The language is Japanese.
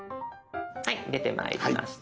はい出てまいりました。